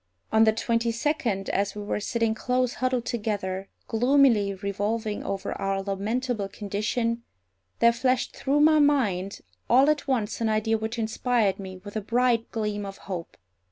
On the twenty second, as we were sitting close huddled together, gloomily revolving over our lamentable condition, there flashed through my mind all at once an idea which inspired me with a bright gleam of hope.